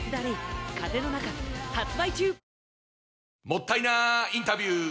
もったいなインタビュー！